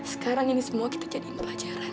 sekarang ini semua kita jadiin pelajaran